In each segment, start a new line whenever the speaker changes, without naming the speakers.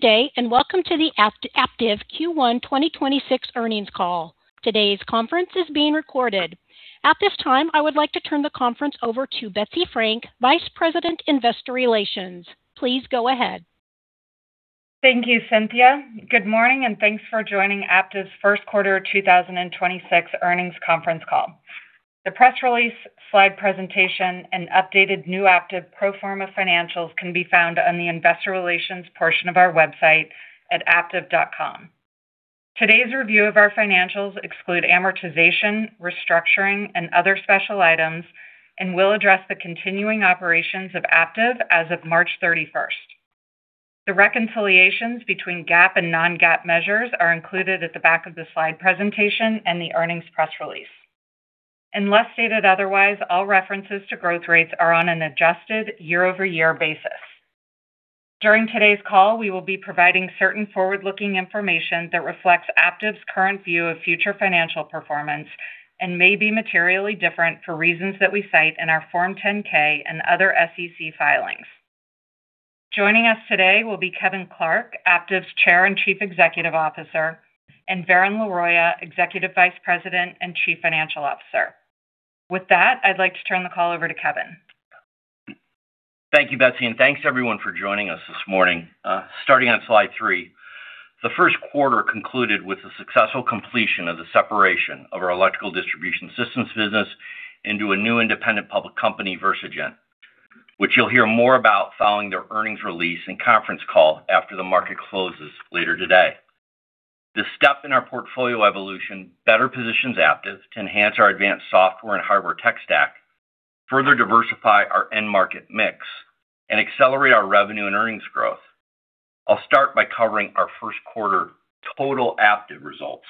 Good day, welcome to the Aptiv Q1 2026 earnings call. Today's conference is being recorded. At this time, I would like to turn the conference over to Betsy Frank, Vice President, Investor Relations. Please go ahead.
Thank you, Cynthia. Good morning, and thanks for joining Aptiv's first quarter 2026 earnings conference call. The press release, slide presentation, and updated New Aptiv pro forma financials can be found on the investor relations portion of our website at aptiv.com. Today's review of our financials exclude amortization, restructuring, and other special items and will address the continuing operations of Aptiv as of March 31st. The reconciliations between GAAP and non-GAAP measures are included at the back of the slide presentation and the earnings press release. Unless stated otherwise, all references to growth rates are on an adjusted year-over-year basis. During today's call, we will be providing certain forward-looking information that reflects Aptiv's current view of future financial performance and may be materially different for reasons that we cite in our Form 10-K and other SEC filings. Joining us today will be Kevin Clark, Aptiv's Chair and Chief Executive Officer, and Varun Laroyia, Executive Vice President and Chief Financial Officer. With that, I'd like to turn the call over to Kevin.
Thank you, Betsy, and thanks, everyone, for joining us this morning. Starting on slide three, the first quarter concluded with the successful completion of the separation of our Electrical Distribution Systems business into a new independent public company, Versigent, which you'll hear more about following their earnings release and conference call after the market closes later today. This step in our portfolio evolution better positions Aptiv to enhance our advanced software and hardware tech stack, further diversify our end market mix, and accelerate our revenue and earnings growth. I'll start by covering our first quarter total Aptiv results.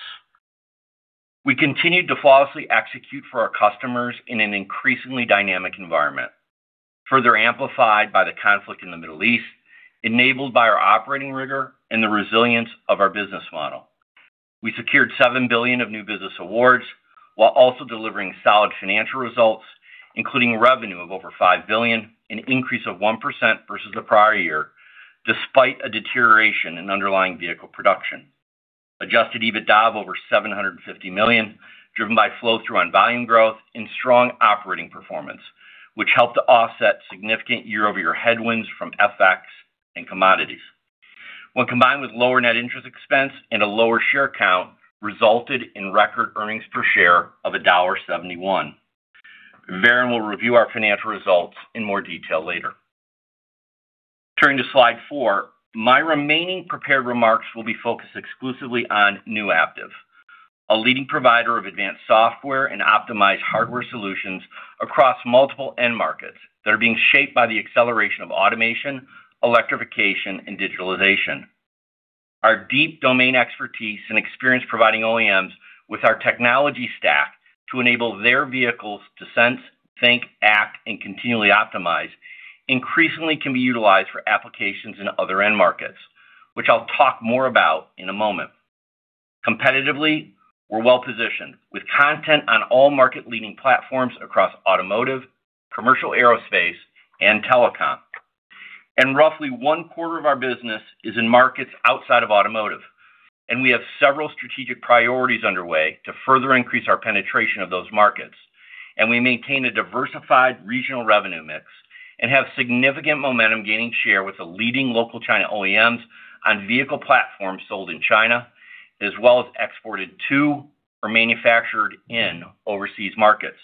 We continued to flawlessly execute for our customers in an increasingly dynamic environment, further amplified by the conflict in the Middle East, enabled by our operating rigor and the resilience of our business model. We secured $7 billion of new business awards while also delivering solid financial results, including revenue of over $5 billion, an increase of 1% versus the prior year, despite a deterioration in underlying vehicle production. Adjusted EBITDA of over $750 million, driven by flow-through on volume growth and strong operating performance, which helped to offset significant year-over-year headwinds from FX and commodities. When combined with lower net interest expense and a lower share count, resulted in record earnings per share of $1.71. Varun will review our financial results in more detail later. Turning to slide four, my remaining prepared remarks will be focused exclusively on new Aptiv, a leading provider of advanced software and optimized hardware solutions across multiple end markets that are being shaped by the acceleration of automation, electrification, and digitalization. Our deep domain expertise and experience providing OEMs with our technology stack to enable their vehicles to sense, think, act, and continually optimize increasingly can be utilized for applications in other end markets, which I will talk more about in a moment. Competitively, we are well-positioned, with content on all market-leading platforms across automotive, commercial aerospace, and telecom. Roughly 1/4 of our business is in markets outside of automotive. We have several strategic priorities underway to further increase our penetration of those markets. We maintain a diversified regional revenue mix and have significant momentum, gaining share with the leading local China OEMs on vehicle platforms sold in China, as well as exported to or manufactured in overseas markets.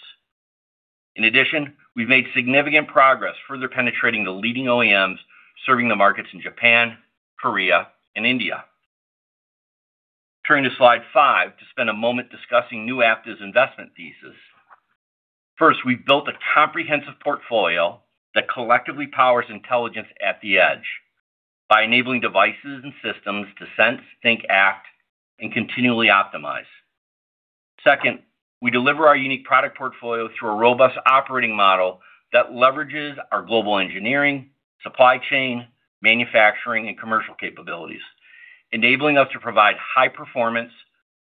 In addition, we have made significant progress further penetrating the leading OEMs serving the markets in Japan, Korea, and India. Turning to slide five to spend a moment discussing new Aptiv's investment thesis. First, we've built a comprehensive portfolio that collectively powers intelligence at the edge by enabling devices and systems to sense, think, act, and continually optimize. Second, we deliver our unique product portfolio through a robust operating model that leverages our global engineering, supply chain, manufacturing, and commercial capabilities. Enabling us to provide high-performance,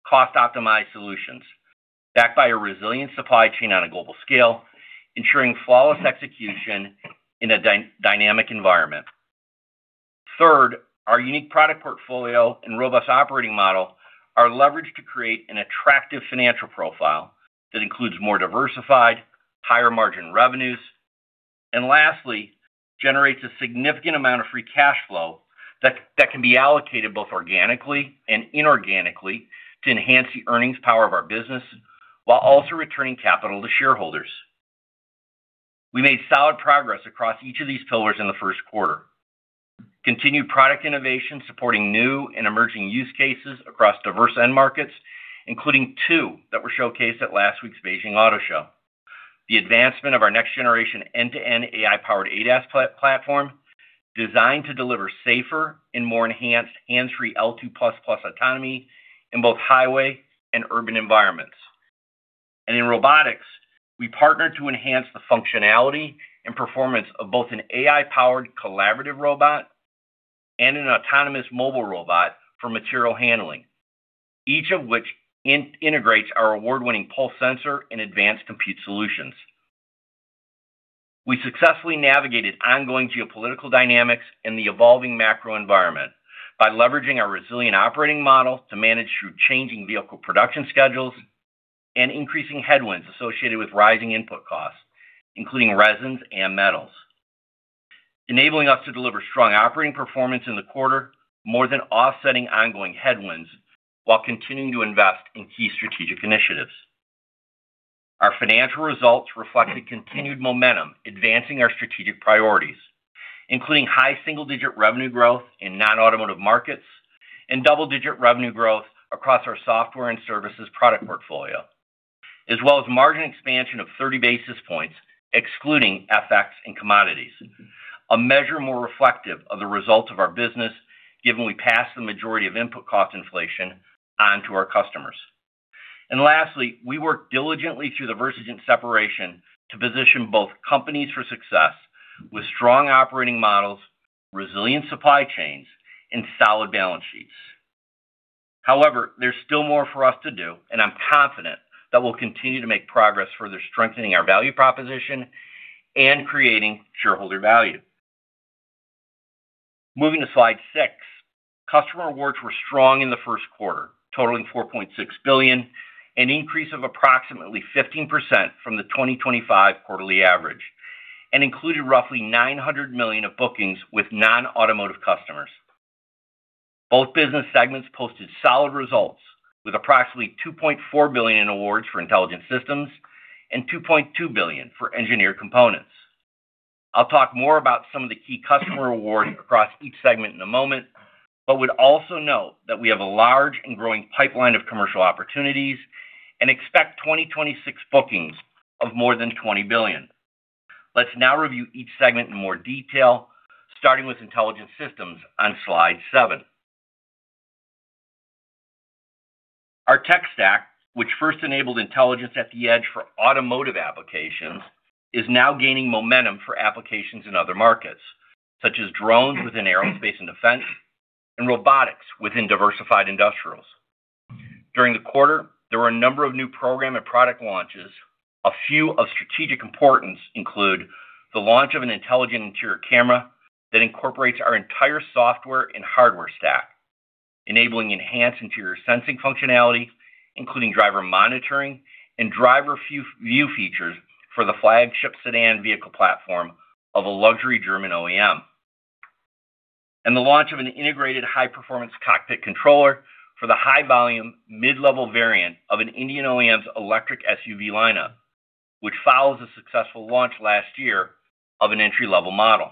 cost-optimized solutions backed by a resilient supply chain on a global scale, ensuring flawless execution in a dynamic environment. Third, our unique product portfolio and robust operating model are leveraged to create an attractive financial profile that includes more diversified, higher-margin revenues. Lastly, generates a significant amount of free cash flow that can be allocated both organically and inorganically to enhance the earnings power of our business while also returning capital to shareholders. We made solid progress across each of these pillars in the first quarter. Continued product innovation supporting new and emerging use cases across diverse end markets, including two that were showcased at last week's Beijing Auto Show. The advancement of our next-generation end-to-end AI-powered ADAS platform designed to deliver safer and more enhanced hands-free L2++ autonomy in both highway and urban environments. In robotics, we partnered to enhance the functionality and performance of both an AI-powered collaborative robot and an autonomous mobile robot for material handling, each of which integrates our award-winning Pulse sensor and advanced compute solutions. We successfully navigated ongoing geopolitical dynamics in the evolving macro environment by leveraging our resilient operating model to manage through changing vehicle production schedules and increasing headwinds associated with rising input costs, including resins and metals, enabling us to deliver strong operating performance in the quarter, more than offsetting ongoing headwinds while continuing to invest in key strategic initiatives. Our financial results reflected continued momentum advancing our strategic priorities, including high single-digit revenue growth in non-automotive markets and double-digit revenue growth across our software and services product portfolio, as well as margin expansion of 30 basis points, excluding FX and commodities, a measure more reflective of the results of our business given we passed the majority of input cost inflation on to our customers. Lastly, we worked diligently through the Versigent separation to position both companies for success with strong operating models, resilient supply chains, and solid balance sheets. However, there's still more for us to do, and I'm confident that we'll continue to make progress further strengthening our value proposition and creating shareholder value. Moving to slide six, customer awards were strong in the first quarter, totaling $4.6 billion, an increase of approximately 15% from the 2025 quarterly average, and included roughly $900 million of bookings with non-automotive customers. Both business segments posted solid results with approximately $2.4 billion in awards for Intelligent Systems and $2.2 billion for Engineered Components. I'll talk more about some of the key customer awards across each segment in a moment, but would also note that we have a large and growing pipeline of commercial opportunities and expect 2026 bookings of more than $20 billion. Let's now review each segment in more detail, starting with Intelligent Systems on slide seven. Our tech stack, which first enabled intelligence at the edge for automotive applications, is now gaining momentum for applications in other markets, such as drones within aerospace and defense and robotics within diversified industrials. During the quarter, there were a number of new program and product launches. A few of strategic importance include the launch of an intelligent interior camera that incorporates our entire software and hardware stack, enabling enhanced interior sensing functionality, including driver monitoring and driver view features for the flagship sedan vehicle platform of a luxury German OEM. The launch of an integrated high-performance cockpit controller for the high-volume mid-level variant of an Indian OEM's electric SUV lineup, which follows a successful launch last year of an entry-level model.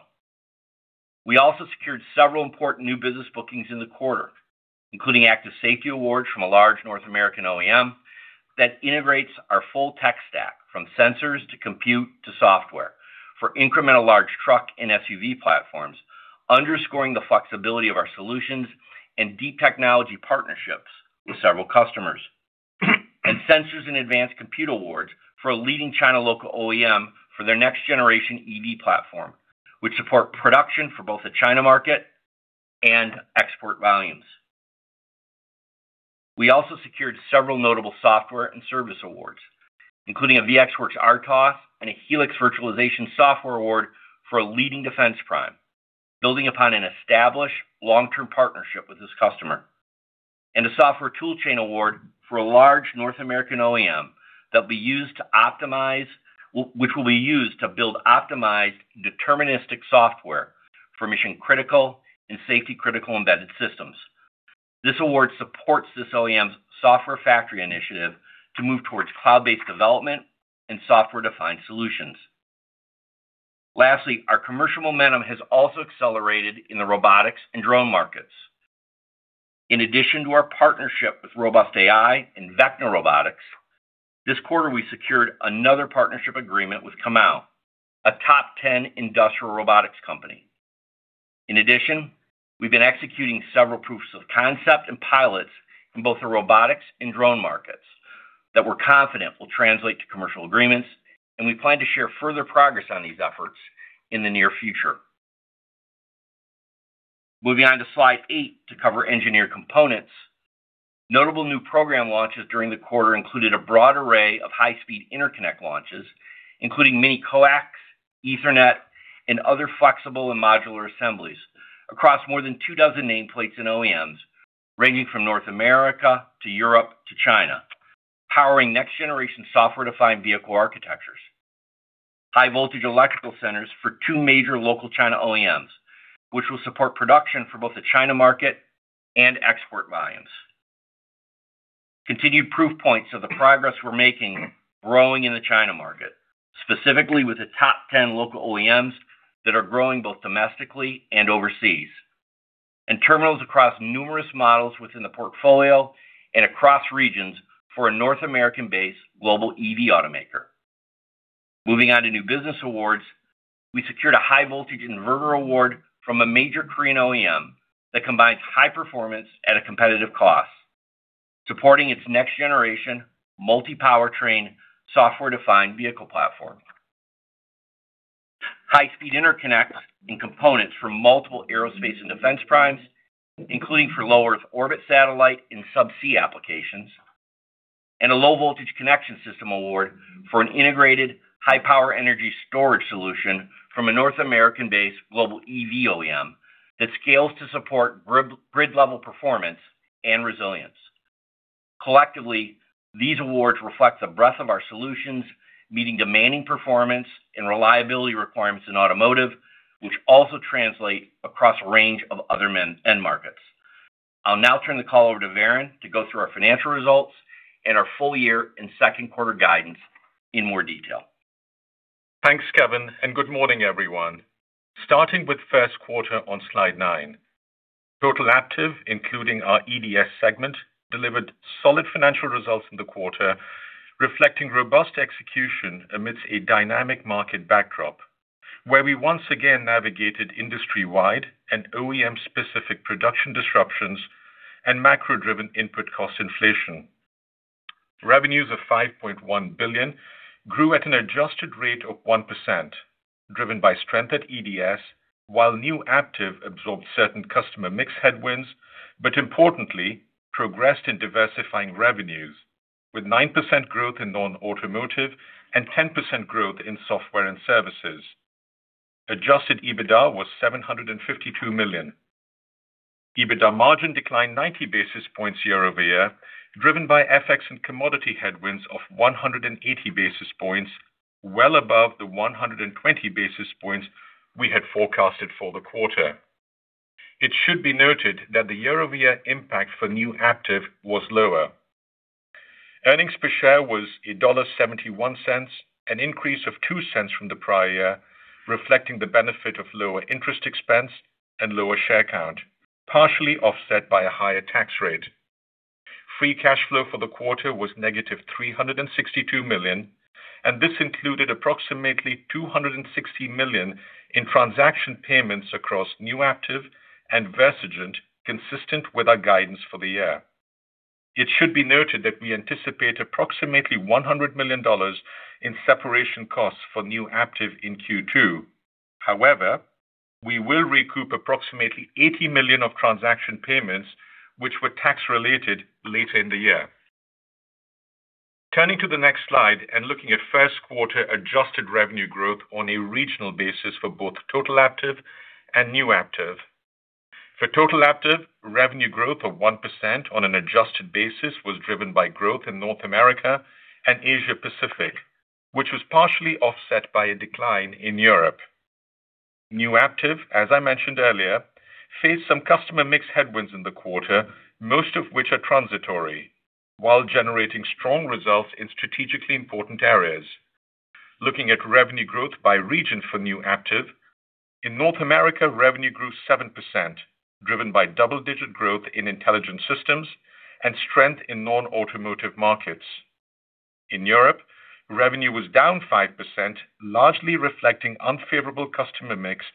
We also secured several important new business bookings in the quarter, including active safety awards from a large North American OEM that integrates our full tech stack from sensors to compute to software for incremental large truck and SUV platforms, underscoring the flexibility of our solutions and deep technology partnerships with several customers. Sensors and advanced compute awards for a leading China local OEM for their next generation EV platform, which support production for both the China market and export volumes. We also secured several notable software and service awards, including a VxWorks RTOS and a Helix Virtualization Platform award for a leading defense prime, building upon an established long-term partnership with this customer. A software tool chain award for a large North American OEM that will be used to build optimized deterministic software for mission-critical and safety-critical embedded systems. This award supports this OEM's software factory initiative to move towards cloud-based development and software-defined solutions. Lastly, our commercial momentum has also accelerated in the robotics and drone markets. In addition to our partnership with Robust.AI and Vecna Robotics, this quarter we secured another partnership agreement with Comau, a top 10 industrial robotics company. In addition, we've been executing several proofs of concept and pilots in both the robotics and drone markets that we're confident will translate to commercial agreements, and we plan to share further progress on these efforts in the near future. Moving on to slide eight to cover Engineered Components. Notable new program launches during the quarter included a broad array of high-speed interconnect launches, including Mini-Coax, Ethernet, and other flexible and modular assemblies across more than two dozen nameplates and OEMs, ranging from North America to Europe to China, powering next-generation software-defined vehicle architectures, high-voltage electrical centers for two major local China OEMs, which will support production for both the China market and export volumes. Continued proof points of the progress we're making growing in the China market, specifically with the top 10 local OEMs that are growing both domestically and overseas, and terminals across numerous models within the portfolio and across regions for a North American-based global EV automaker. Moving on to new business awards. We secured a high-voltage inverter award from a major Korean OEM that combines high performance at a competitive cost, supporting its next-generation multi-powertrain software-defined vehicle platform. High-speed interconnects and components from multiple aerospace and defense primes, including for low Earth orbit satellite and subsea applications. A low voltage connection system award for an integrated high power energy storage solution from a North American-based global EV OEM that scales to support grid level performance and resilience. Collectively, these awards reflect the breadth of our solutions, meeting demanding performance, and reliability requirements in automotive, which also translate across a range of other end markets. I'll now turn the call over to Varun to go through our financial results and our full-year and second quarter guidance in more detail.
Thanks, Kevin, and good morning, everyone. Starting with first quarter on slide nine. Total Aptiv, including our EDS segment, delivered solid financial results in the quarter, reflecting robust execution amidst a dynamic market backdrop, where we once again navigated industry-wide and OEM-specific production disruptions and macro-driven input cost inflation. Revenues of $5.1 billion grew at an adjusted rate of 1%, driven by strength at EDS, while new Aptiv absorbed certain customer mix headwinds, but importantly progressed in diversifying revenues with 9% growth in non-automotive and 10% growth in software and services. Adjusted EBITDA was $752 million. EBITDA margin declined 90 basis points year-over-year, driven by FX and commodity headwinds of 180 basis points, well above the 120 basis points we had forecasted for the quarter. It should be noted that the year-over-year impact for new Aptiv was lower. Earnings per share was $1.71, an increase of $0.02 from the prior year, reflecting the benefit of lower interest expense and lower share count, partially offset by a higher tax rate. Free cash flow for the quarter was negative $362 million, and this included approximately $260 million in transaction payments across new Aptiv and Versigent, consistent with our guidance for the year. It should be noted that we anticipate approximately $100 million in separation costs for new Aptiv in Q2. However, we will recoup approximately $80 million of transaction payments which were tax related later in the year. Turning to the next slide and looking at first quarter adjusted revenue growth on a regional basis for both total Aptiv and new Aptiv. For total Aptiv, revenue growth of 1% on an adjusted basis was driven by growth in North America and Asia Pacific, which was partially offset by a decline in Europe. New Aptiv, as I mentioned earlier, faced some customer mix headwinds in the quarter, most of which are transitory, while generating strong results in strategically important areas. Looking at revenue growth by region for new Aptiv. In North America, revenue grew 7%, driven by double-digit growth in Intelligent Systems and strength in non-automotive markets. In Europe, revenue was down 5%, largely reflecting unfavorable customer mix,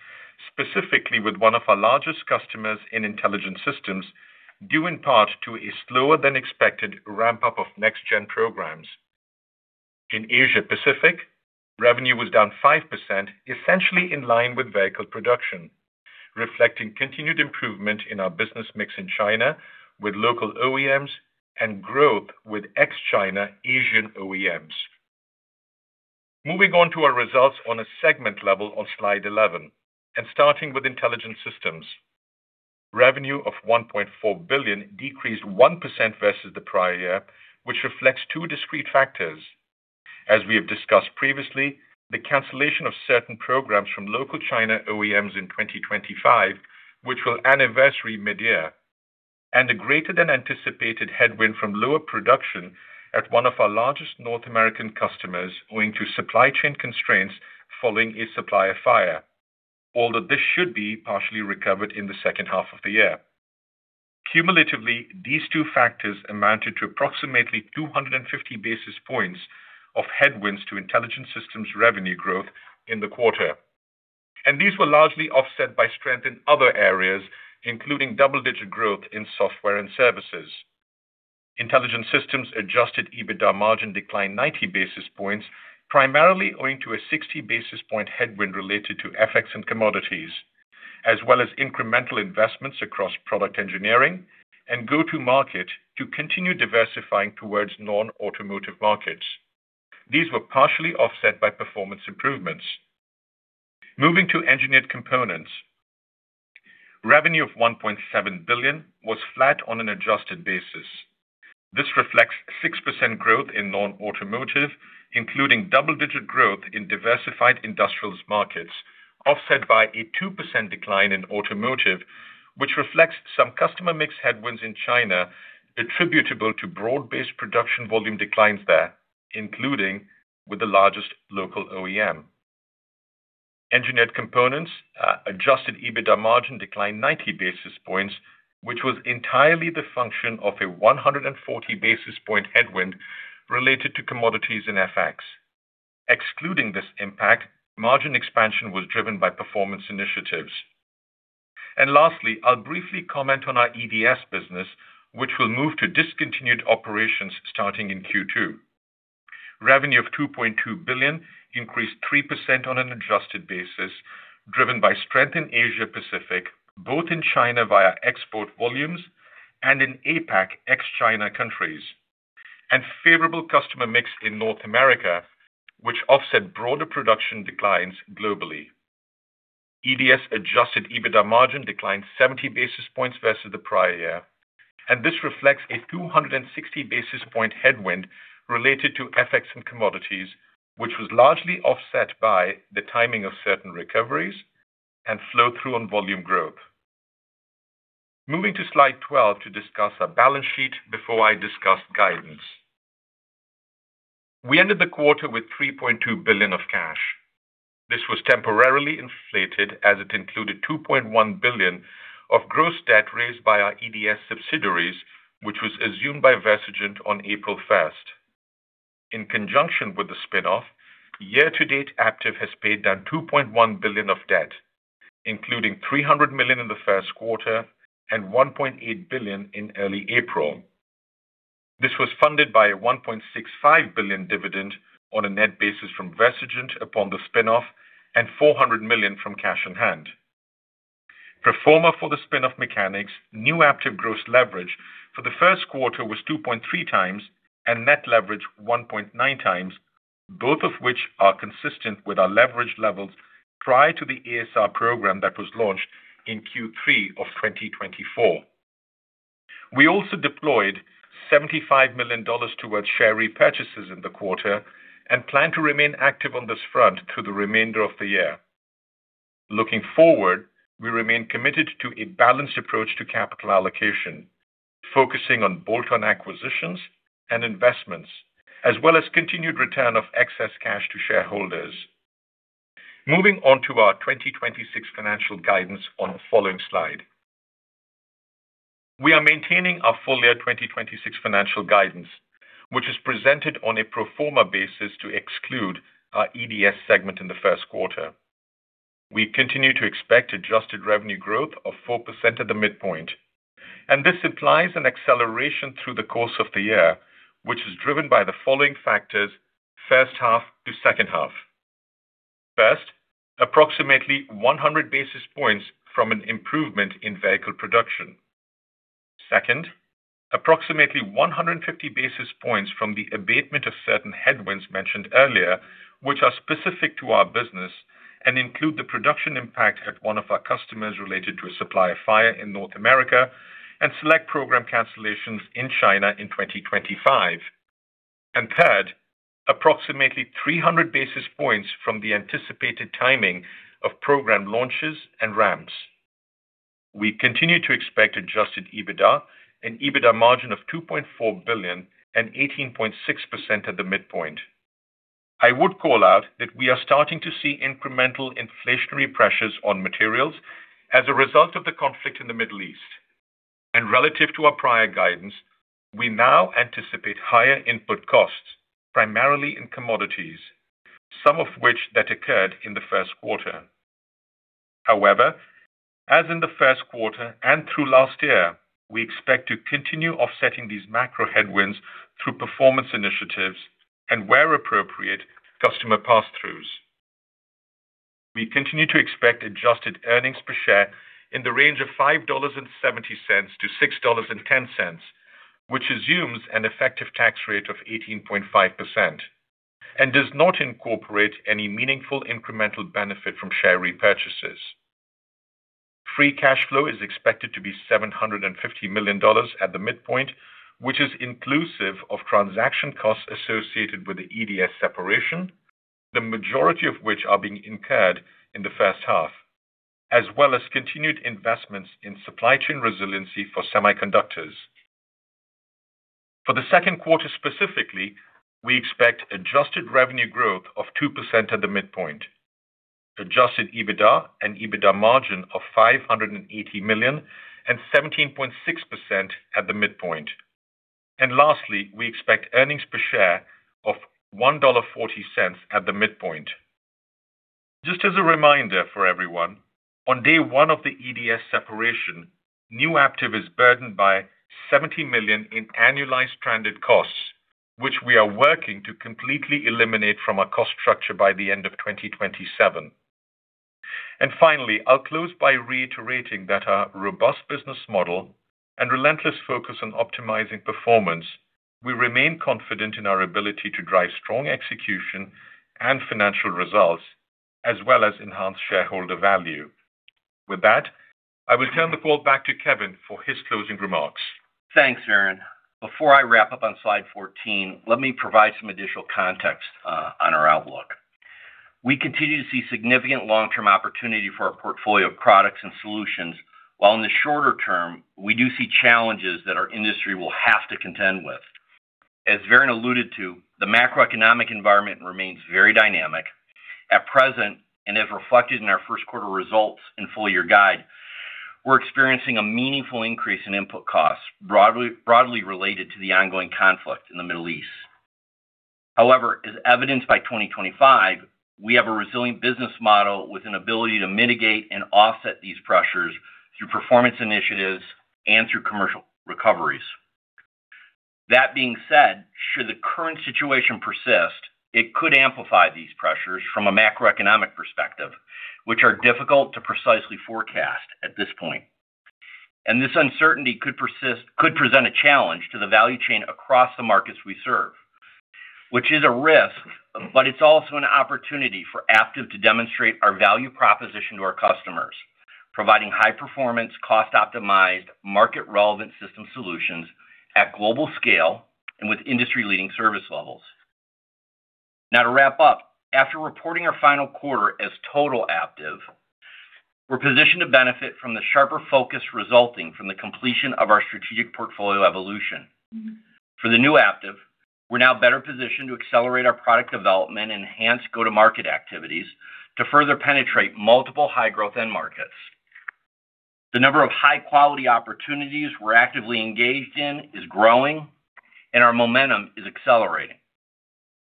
specifically with one of our largest customers in Intelligent Systems, due in part to a slower than expected ramp-up of next gen programs. In Asia Pacific, revenue was down 5%, essentially in line with vehicle production, reflecting continued improvement in our business mix in China with local OEMs and growth with ex-China Asian OEMs. Moving on to our results on a segment level on slide 11 and starting with Intelligent Systems. Revenue of $1.4 billion decreased 1% versus the prior year, which reflects two discrete factors. As we have discussed previously, the cancellation of certain programs from local China OEMs in 2025, which will anniversary mid-year, and a greater than anticipated headwind from lower production at one of our largest North American customers owing to supply chain constraints following a supplier fire. Although this should be partially recovered in the second half of the year. Cumulatively, these two factors amounted to approximately 250 basis points of headwinds to Intelligent Systems revenue growth in the quarter. These were largely offset by strength in other areas, including double-digit growth in software and services. Intelligent Systems adjusted EBITDA margin declined 90 basis points, primarily owing to a 60 basis point headwind related to FX and commodities, as well as incremental investments across product engineering and go-to-market to continue diversifying towards non-automotive markets. These were partially offset by performance improvements. Moving to Engineered Components. Revenue of $1.7 billion was flat on an adjusted basis. This reflects 6% growth in non-automotive, including double-digit growth in diversified industrials markets, offset by a 2% decline in automotive, which reflects some customer mix headwinds in China attributable to broad-based production volume declines there, including with the largest local OEM. Engineered Components adjusted EBITDA margin declined 90 basis points, which was entirely the function of a 140 basis point headwind related to commodities in FX. Excluding this impact, margin expansion was driven by performance initiatives. Lastly, I'll briefly comment on our EDS business, which will move to discontinued operations starting in Q2. Revenue of $2.2 billion increased 3% on an adjusted basis, driven by strength in Asia Pacific, both in China via export volumes and in APAC ex-China countries, and favorable customer mix in North America, which offset broader production declines globally. EDS adjusted EBITDA margin declined 70 basis points versus the prior year, and this reflects a 260 basis point headwind related to FX and commodities, which was largely offset by the timing of certain recoveries and flow-through on volume growth. Moving to slide 12 to discuss our balance sheet before I discuss guidance. We ended the quarter with $3.2 billion of cash. This was temporarily inflated as it included $2.1 billion of gross debt raised by our EDS subsidiaries, which was assumed by Versigent on April 1st. In conjunction with the spin-off, year-to-date, Aptiv has paid down $2.1 billion of debt, including $300 million in the first quarter and $1.8 billion in early April. This was funded by a $1.65 billion dividend on a net basis from Versigent upon the spin-off and $400 million from cash on hand. Pro forma for the spin of Versigent, new Aptiv gross leverage for the first quarter was 2.3 times, and net leverage 1.9 times, both of which are consistent with our leverage levels prior to the EDS program that was launched in Q3 of 2024. We also deployed $75 million towards share repurchases in the quarter and plan to remain active on this front through the remainder of the year. Looking forward, we remain committed to a balanced approach to capital allocation, focusing on bolt-on acquisitions and investments, as well as continued return of excess cash to shareholders. Moving on to our 2026 financial guidance on the following slide. We are maintaining our full year 2026 financial guidance, which is presented on a pro forma basis to exclude our EDS segment in the first quarter. We continue to expect adjusted revenue growth of 4% at the midpoint, and this implies an acceleration through the course of the year, which is driven by the following factors, first half to second half. First, approximately 100 basis points from an improvement in vehicle production. Second, approximately 150 basis points from the abatement of certain headwinds mentioned earlier, which are specific to our business and include the production impact at one of our customers related to a supplier fire in North America and select program cancellations in China in 2025. Third, approximately 300 basis points from the anticipated timing of program launches and ramps. We continue to expect adjusted EBITDA and EBITDA margin of $2.4 billion and 18.6% at the midpoint. I would call out that we are starting to see incremental inflationary pressures on materials as a result of the conflict in the Middle East. Relative to our prior guidance, we now anticipate higher input costs, primarily in commodities, some of which that occurred in the first quarter. However, as in the first quarter and through last year, we expect to continue offsetting these macro headwinds through performance initiatives and, where appropriate, customer pass-throughs. We continue to expect adjusted earnings per share in the range of $5.70-$6.10, which assumes an effective tax rate of 18.5% and does not incorporate any meaningful incremental benefit from share repurchases. Free cash flow is expected to be $750 million at the midpoint, which is inclusive of transaction costs associated with the EDS separation, the majority of which are being incurred in the first half, as well as continued investments in supply chain resiliency for semiconductors. For the second quarter specifically, we expect adjusted revenue growth of 2% at the midpoint, adjusted EBITDA and EBITDA margin of $580 million and 17.6% at the midpoint. Lastly, we expect earnings per share of $1.40 at the midpoint. Just as a reminder for everyone, on day one of the EDS separation, new Aptiv is burdened by $70 million in annualized stranded costs, which we are working to completely eliminate from our cost structure by the end of 2027. Finally, I'll close by reiterating that our robust business model and relentless focus on optimizing performance, we remain confident in our ability to drive strong execution and financial results as well as enhance shareholder value. With that, I will turn the call back to Kevin for his closing remarks.
Thanks, Varun. Before I wrap up on slide 14, let me provide some additional context on our outlook. We continue to see significant long-term opportunity for our portfolio of products and solutions, while in the shorter term, we do see challenges that our industry will have to contend with. As Varun alluded to, the macroeconomic environment remains very dynamic. At present, and as reflected in our first quarter results in full-year guide, we're experiencing a meaningful increase in input costs broadly related to the ongoing conflict in the Middle East. However, as evidenced by 2025, we have a resilient business model with an ability to mitigate and offset these pressures through performance initiatives and through commercial recoveries. That being said, should the current situation persist, it could amplify these pressures from a macroeconomic perspective, which are difficult to precisely forecast at this point. This uncertainty could present a challenge to the value chain across the markets we serve, which is a risk, but it's also an opportunity for Aptiv to demonstrate our value proposition to our customers, providing high performance, cost-optimized, market-relevant system solutions at global scale and with industry-leading service levels. Now to wrap up, after reporting our final quarter as total Aptiv, we're positioned to benefit from the sharper focus resulting from the completion of our strategic portfolio evolution. For the new Aptiv, we're now better positioned to accelerate our product development, enhance go-to-market activities to further penetrate multiple high-growth end markets. The number of high-quality opportunities we're actively engaged in is growing, and our momentum is accelerating.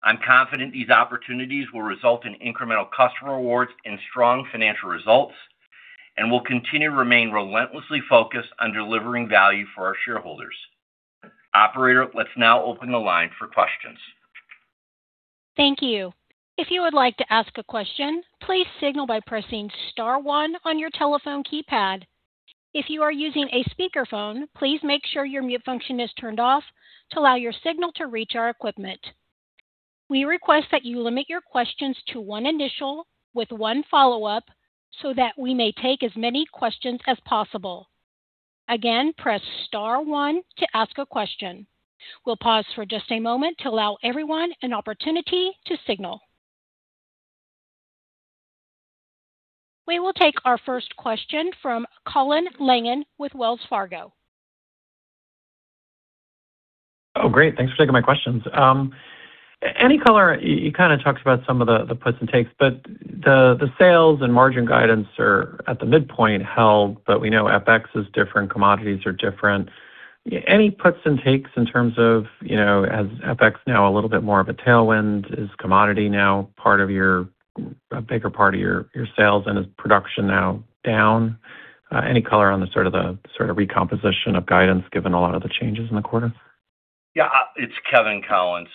I'm confident these opportunities will result in incremental customer awards and strong financial results and will continue to remain relentlessly focused on delivering value for our shareholders. Operator, let's now open the line for questions.
Thank you. If you would like to ask a question, please signal by pressing star one on your telephone keypad. If you are using a speaker phone, please make sure your mute function is turned off to allow your signal to reach our equipment. We request that you limit your question to one initial with one follow-up so that we may take as many questions as possible. Again, press star one to ask a question. We'll pause the same moment to allow everyone an opportunity to signal. We will take our first question from Colin Langan with Wells Fargo.
Oh, great. Thanks for taking my questions. Any color, you kinda talked about some of the puts and takes, the sales and margin guidance are at the midpoint held, we know FX is different, commodities are different. Any puts and takes in terms of, you know, as FX now a little bit more of a tailwind? Is commodity now part of your, a bigger part of your sales? Is production now down? Any color on the sort of the recomposition of guidance given a lot of the changes in the quarter?
Yeah, it's Kevin, Colin.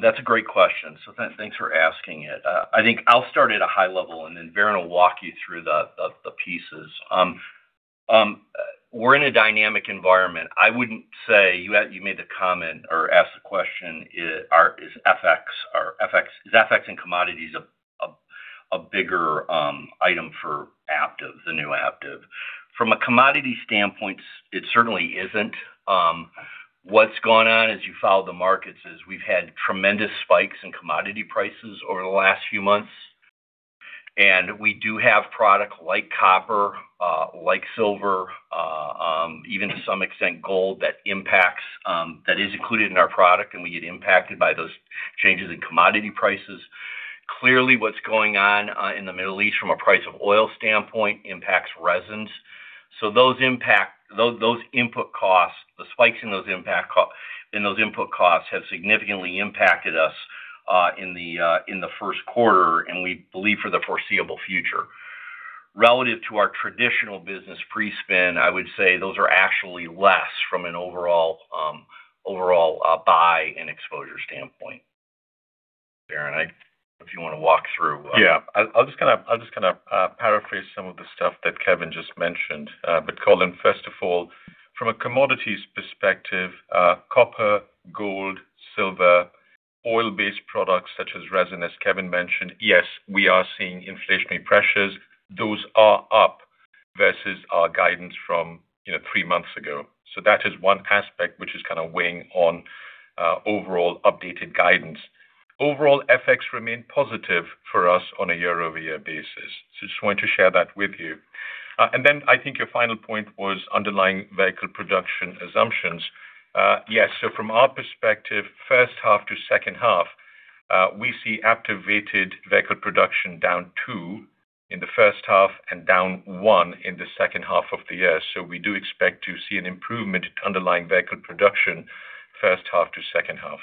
That's a great question, thanks for asking it. I think I'll start at a high level, and then Varun will walk you through the pieces. We're in a dynamic environment. I wouldn't say you made the comment or asked the question, is FX and commodities a bigger item for Aptiv, the new Aptiv? From a commodity standpoint, it certainly isn't. What's gone on as you follow the markets is we've had tremendous spikes in commodity prices over the last few months, and we do have product like copper, like silver, even to some extent gold that impacts that is included in our product, and we get impacted by those changes in commodity prices. Clearly, what's going on, in the Middle East from a price of oil standpoint impacts resins. Those input costs, the spikes in those input costs have significantly impacted us, in the first quarter, and we believe for the foreseeable future. Relative to our traditional business pre-spin, I would say those are actually less from an overall buy and exposure standpoint. Varun, if you wanna walk through.
Yeah. I'll just kinda paraphrase some of the stuff that Kevin just mentioned. Colin, first of all, from a commodities perspective, copper, gold, silver, oil-based products such as resin, as Kevin mentioned, yes, we are seeing inflationary pressures. Those are up versus our guidance from, you know, three months ago. That is one aspect which is kinda weighing on overall updated guidance. Overall, FX remained positive for us on a year-over-year basis. Just wanted to share that with you. I think your final point was underlying vehicle production assumptions. Yes. From our perspective, first half to second half, we see Aptiv-weighted vehicle production down two in the first half and down one in the second half of the year. We do expect to see an improvement underlying vehicle production first half to second half.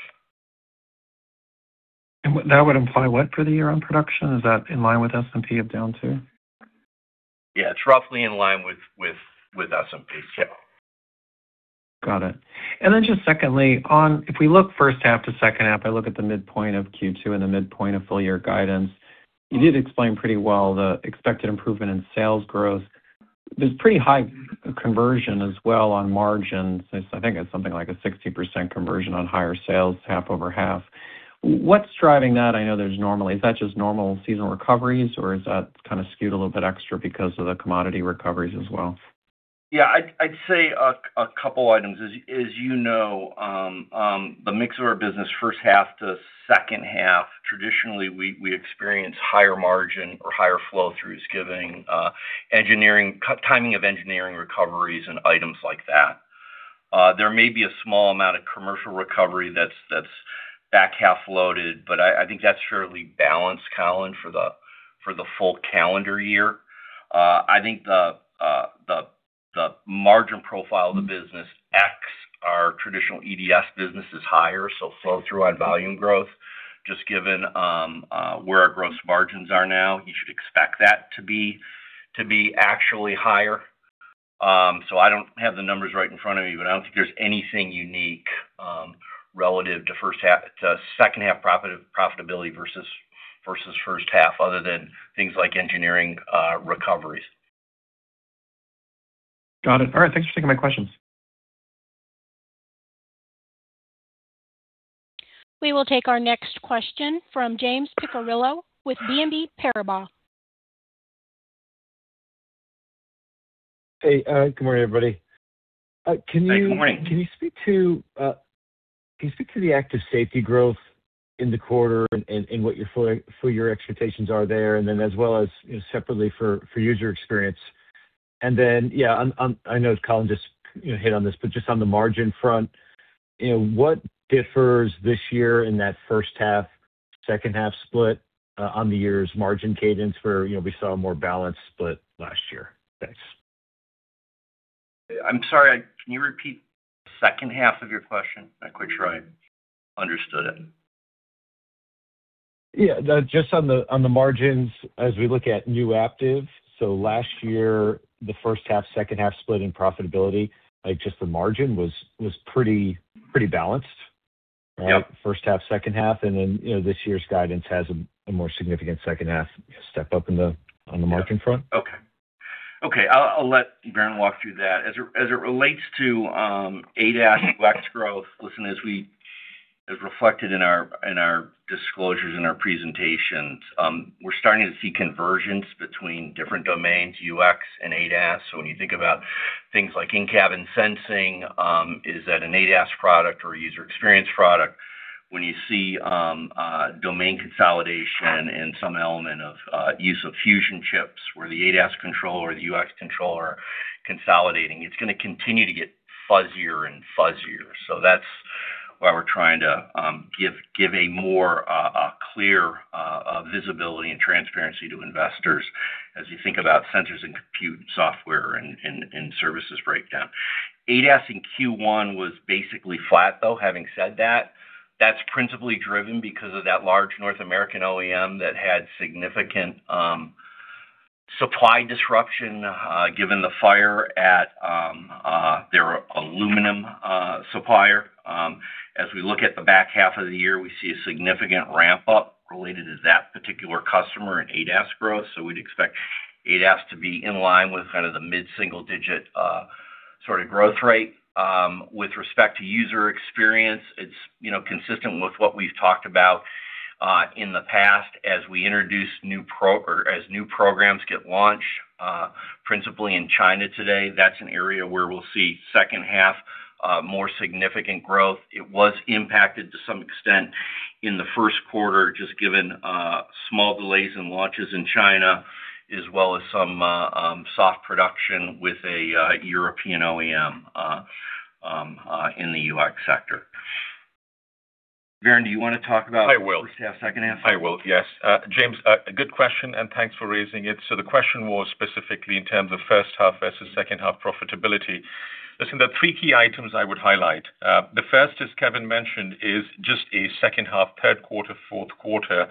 That would imply what for the year-end production? Is that in line with S&P of down 2%?
Yeah. It's roughly in line with S&P, yeah.
Got it. Just secondly, if we look first half to second half, I look at the midpoint of Q2 and the midpoint of full year guidance, you did explain pretty well the expected improvement in sales growth. There's pretty high conversion as well on margins. I think it's something like a 60% conversion on higher sales half-over-half. What's driving that? Is that just normal seasonal recoveries, or is that kinda skewed a little bit extra because of the commodity recoveries as well?
Yeah. I'd say a couple items. As you know, the mix of our business first half to second half, traditionally, we experience higher margin or higher flow-throughs giving timing of engineering recoveries and items like that. There may be a small amount of commercial recovery that's back half loaded, but I think that's fairly balanced, Colin, for the full calendar year. I think the margin profile of the business X, our traditional EDS business is higher, so flow through on volume growth. Just given where our gross margins are now, you should expect that to be actually higher. I don't have the numbers right in front of me, but I don't think there's anything unique relative to second half profitability versus first half, other than things like engineering recoveries.
Got it. All right, thanks for taking my questions.
We will take our next question from James Picariello with BNP Paribas.
Hey, good morning, everybody.
Good morning.
Can you speak to the active safety growth in the quarter and what your full year expectations are there? As well as, you know, separately for user experience. I know Colin just, you know, hit on this, but just on the margin front, you know, what differs this year in that first half, second half split on the year's margin cadence where, you know, we saw a more balanced split last year? Thanks.
I'm sorry, can you repeat the second half of your question? Not quite sure I understood it.
Yeah, just on the margins as we look at new Aptiv. Last year, the first half, second half split in profitability, like, just the margin was pretty balanced.
Yep.
Right? First half, second half. Then, you know, this year's guidance has a more significant second half step up in the-
Yeah.
On the margin front.
Okay. Okay. I'll let Varun walk through that. As it relates to ADAS UX growth, listen, as reflected in our disclosures in our presentations, we're starting to see convergence between different domains, UX and ADAS. When you think about things like in-cabin sensing, is that an ADAS product or a user experience product? When you see domain consolidation and some element of use of fusion chips where the ADAS controller or the UX controller consolidating, it's gonna continue to get fuzzier and fuzzier. That's why we're trying to give a more clear visibility and transparency to investors as you think about sensors and compute software and services breakdown. ADAS in Q1 was basically flat, though. Having said that's principally driven because of that large North American OEM that had significant supply disruption given the fire at their aluminum supplier. As we look at the back half of the year, we see a significant ramp up related to that particular customer in ADAS growth. We'd expect ADAS to be in line with kind of the mid-single digit sort of growth rate. With respect to user experience, it's, you know, consistent with what we've talked about in the past as we introduce new programs get launched principally in China today. That's an area where we'll see second half more significant growth. It was impacted to some extent in the first quarter, just given, small delays in launches in China, as well as some, soft production with a European OEM, in the UX sector. Varun, do you wanna talk about-
I will.
First half, second half?
I will, yes. James, good question, and thanks for raising it. The question was specifically in terms of first half versus second half profitability. Listen, there are three key items I would highlight. The first, as Kevin mentioned, is just a second half, third quarter, fourth quarter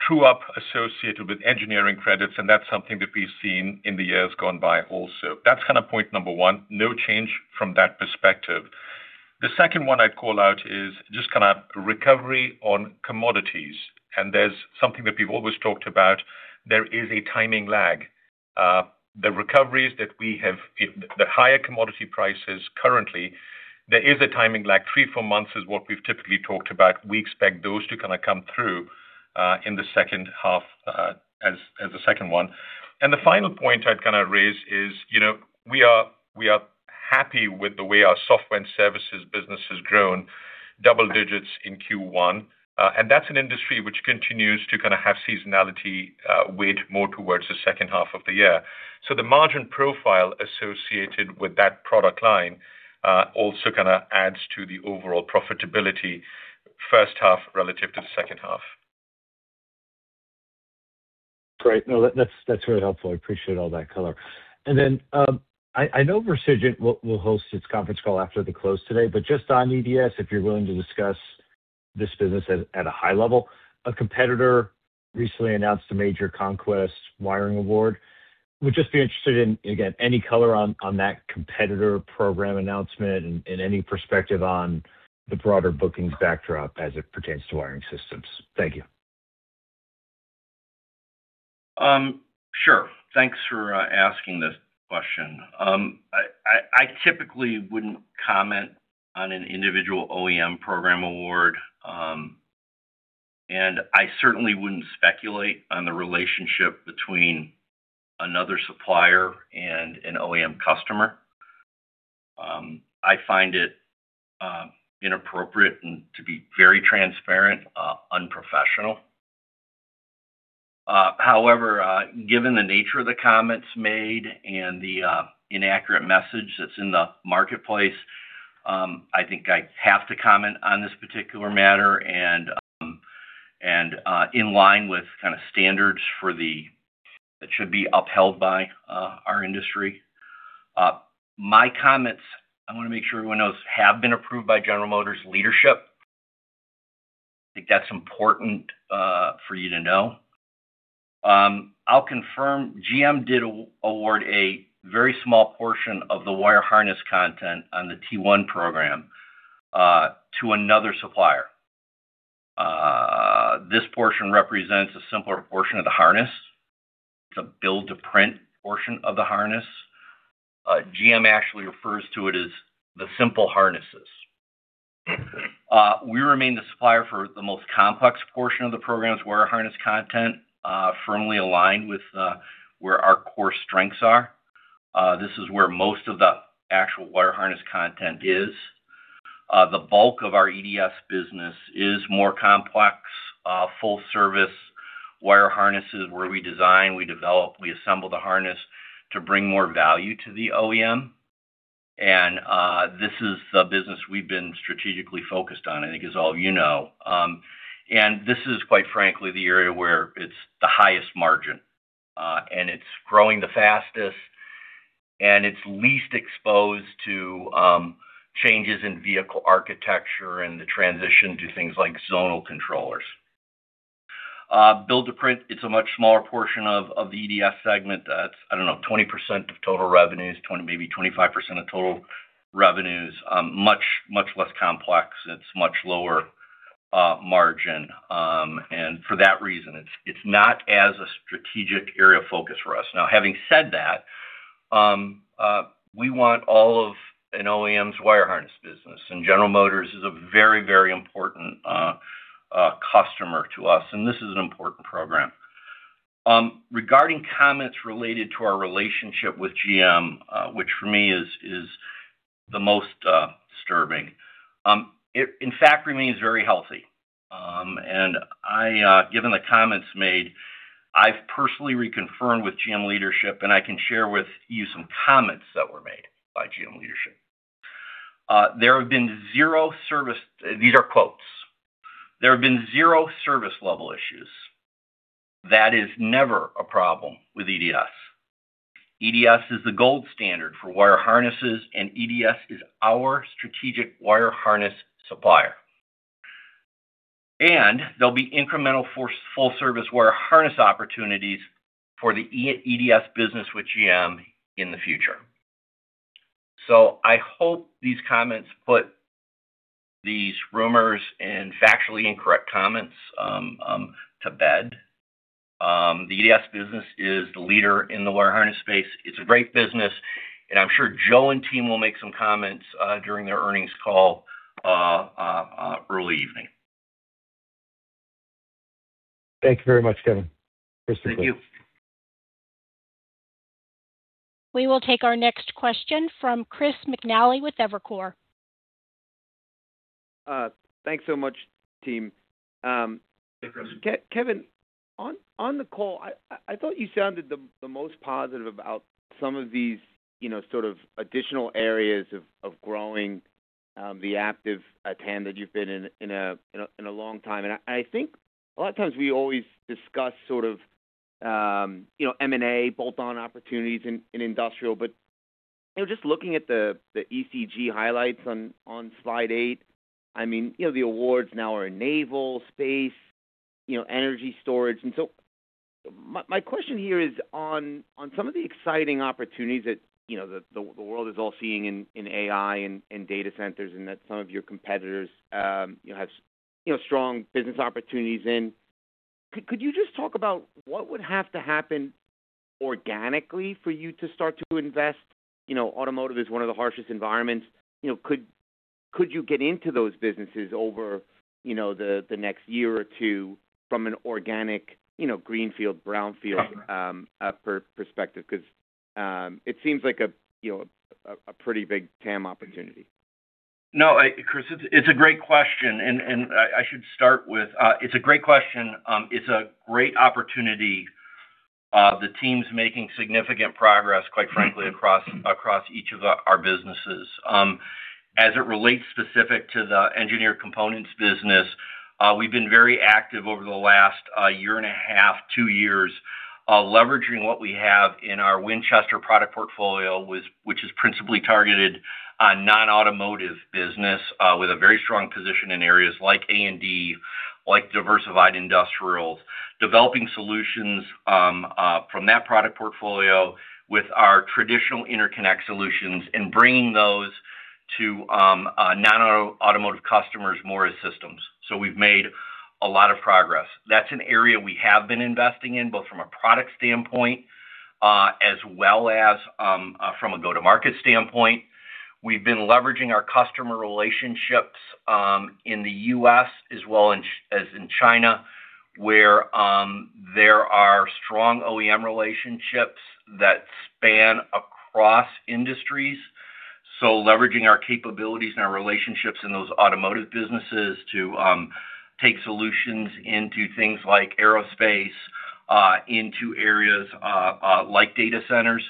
true-up associated with engineering credits, and that's something that we've seen in the years gone by also. That's kind of point number one. No change from that perspective. The second one I'd call out is just kinda recovery on commodities. There's something that we've always talked about. There is a timing lag. The higher commodity prices currently, there is a timing lag. Three, four months is what we've typically talked about. We expect those to kinda come through in the second half, as the second one. The final point I'd kinda raise is, you know, we are happy with the way our software and services business has grown double digits in Q1, and that's an industry which continues to kinda have seasonality, weighed more towards the second half of the year. The margin profile associated with that product line also kinda adds to the overall profitability first half relative to the second half.
Great. No, that's very helpful. I appreciate all that color. I know Versigent will host its conference call after the close today, but just on EDS, if you're willing to discuss this business at a high level. A competitor recently announced a major conquest wiring award. Would just be interested in, again, any color on that competitor program announcement and any perspective on the broader bookings backdrop as it pertains to wiring systems. Thank you.
Sure. Thanks for asking this question. I typically wouldn't comment on an individual OEM program award. I certainly wouldn't speculate on the relationship between another supplier and an OEM customer. I find it inappropriate and to be very transparent, unprofessional. However, given the nature of the comments made and the inaccurate message that's in the marketplace, I think I have to comment on this particular matter and, in line with kind of standards that should be upheld by our industry, my comments, I wanna make sure everyone knows, have been approved by General Motors leadership. I think that's important for you to know. I'll confirm GM did award a very small portion of the wire harness content on the T1 program to another supplier. This portion represents a simpler portion of the harness. It's a build-to-print portion of the harness. GM actually refers to it as the simple harnesses. We remain the supplier for the most complex portion of the program's wire harness content, firmly aligned with where our core strengths are. This is where most of the actual wire harness content is. The bulk of our EDS business is more complex, full service wire harnesses, where we design, we develop, we assemble the harness to bring more value to the OEM. This is the business we've been strategically focused on, I think as all of you know. This is, quite frankly, the area where it's the highest margin, and it's growing the fastest, and it's least exposed to changes in vehicle architecture and the transition to things like zonal controllers. Build-to-print, it's a much smaller portion of the EDS segment. That's, I don't know, 20% of total revenues, maybe 20%-25% of total revenues. Much less complex, and it's much lower margin. For that reason, it's not as a strategic area of focus for us. Now, having said that, we want all of an OEM's wire harness business, and General Motors is a very important customer to us, and this is an important program. Regarding comments related to our relationship with GM, which for me is the most disturbing, it in fact remains very healthy. Given the comments made, I've personally reconfirmed with GM leadership, and I can share with you some comments that were made by GM leadership. There have been zero service level issues. These are quotes. "There have been zero service level issues. That is never a problem with EDS. EDS is the gold standard for wire harnesses, and EDS is our strategic wire harness supplier. There'll be incremental full service wire harness opportunities for the E-EDS business with GM in the future." I hope these comments put these rumors and factually incorrect comments to bed. The EDS business is the leader in the wire harness space. It's a great business, and I'm sure Joe and team will make some comments, during their earnings call, early evening.
Thank you very much, Kevin. Crystal clear.
Thank you.
We will take our next question from Chris McNally with Evercore.
Thanks so much, team.
Hey, Chris.
Kevin, on the call, I thought you sounded the most positive about some of these, you know, sort of additional areas of growing the Aptiv TAM that you've been in a long time. I think a lot of times we always discuss sort of, you know, M&A bolt-on opportunities in industrial, but, you know, just looking at the EC highlights on slide eight, I mean, you know, the awards now are in naval, space, you know, energy storage. My question here is on some of the exciting opportunities that, you know, the world is all seeing in AI and data centers, and that some of your competitors, you know, have, you know, strong business opportunities in, could you just talk about what would have to happen organically for you to start to invest? You know, automotive is one of the harshest environments. You know, could you get into those businesses over, you know, the next year or two from an organic, you know, greenfield, brownfield, perspective? 'Cause it seems like a, you know, a pretty big TAM opportunity.
No, Chris, it's a great question, and I should start with, it's a great question. It's a great opportunity. The team's making significant progress, quite frankly, across each of our businesses. As it relates specific to the Engineered Components business, we've been very active over the last one and a half, two years, leveraging what we have in our Winchester product portfolio, which is principally targeted on non-automotive business, with a very strong position in areas like A&D, like diversified industrials. Developing solutions from that product portfolio with our traditional interconnect solutions and bringing those to non-automotive customers more as systems. We've made a lot of progress. That's an area we have been investing in, both from a product standpoint, as well as from a go-to-market standpoint. We've been leveraging our customer relationships in the U.S. as well as in China, where there are strong OEM relationships that span across industries. Leveraging our capabilities and our relationships in those automotive businesses to take solutions into things like aerospace, into areas like data centers.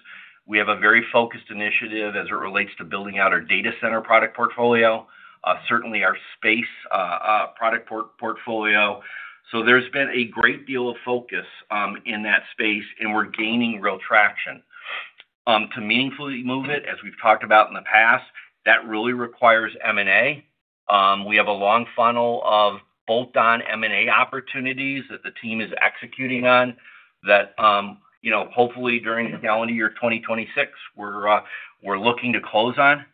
We have a very focused initiative as it relates to building out our data center product portfolio, certainly our space product portfolio. There's been a great deal of focus in that space, and we're gaining real traction. To meaningfully move it, as we've talked about in the past, that really requires M&A. We have a long funnel of bolt-on M&A opportunities that the team is executing on that, you know, hopefully during the calendar year 2026, we're looking to close on.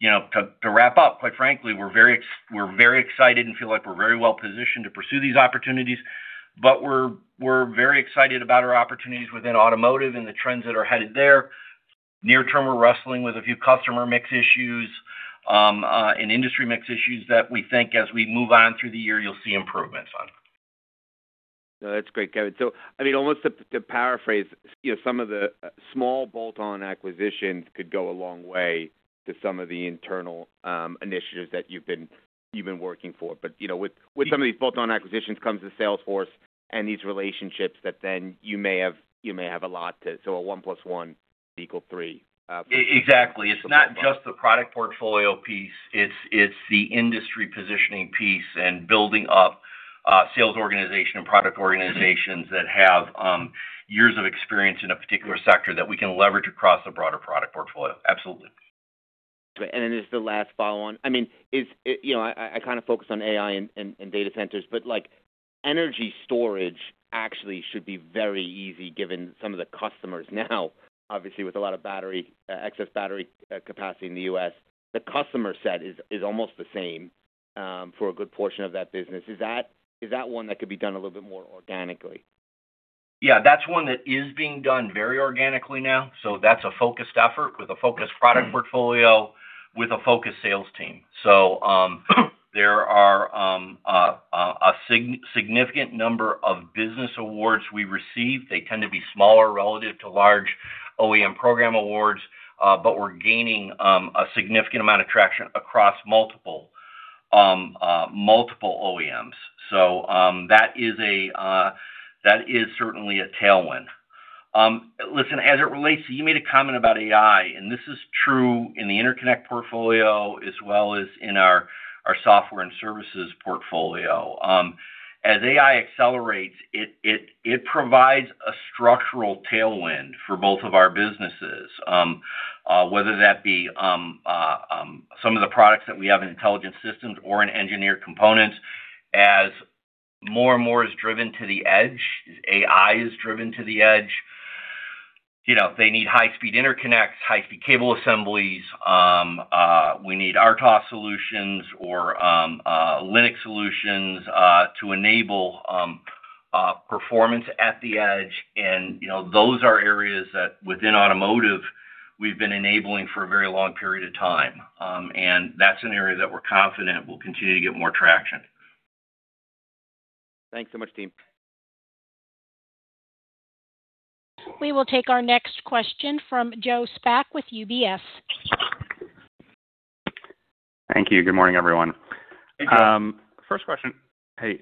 You know, to wrap up, quite frankly, we're very excited and feel like we're very well-positioned to pursue these opportunities. We're very excited about our opportunities within automotive and the trends that are headed there. Near term, we're wrestling with a few customer mix issues and industry mix issues that we think as we move on through the year, you'll see improvements on.
That's great, Kevin. I mean, almost to paraphrase, you know, some of the small bolt-on acquisitions could go a long way to some of the internal initiatives that you've been working for. You know, with some of these bolt-on acquisitions comes the sales force and these relationships that then you may have. A one plus one equal three.
Exactly. It's not just the product portfolio piece, it's the industry positioning piece and building up sales organization and product organizations that have years of experience in a particular sector that we can leverage across a broader product portfolio. Absolutely.
Right. Then just the last follow-on. I mean, is it, you know, I kind of focused on AI and data centers, but, like, energy storage actually should be very easy given some of the customers now, obviously with a lot of battery, excess battery, capacity in the U.S. The customer set is almost the same for a good portion of that business. Is that one that could be done a little bit more organically?
Yeah, that's one that is being done very organically now. That's a focused effort with a focused product portfolio, with a focused sales team. There are a significant number of business awards we receive. They tend to be smaller relative to large OEM program awards, but we're gaining a significant amount of traction across multiple multiple OEMs. That is a that is certainly a tailwind. Listen, as it relates, you made a comment about AI, and this is true in the interconnect portfolio as well as in our software and services portfolio. As AI accelerates, it provides a structural tailwind for both of our businesses, whether that be some of the products that we have in Intelligent Systems or in Engineered Components. As more and more is driven to the edge, as AI is driven to the edge, you know, they need high-speed interconnects, high-speed cable assemblies. We need RTOS solutions or Linux solutions to enable performance at the edge. You know, those are areas that within automotive, we've been enabling for a very long period of time. That's an area that we're confident will continue to get more traction.
Thanks so much, team.
We will take our next question from Joe Spak with UBS.
Thank you. Good morning, everyone.
Hey, Joe.
First question. Hey,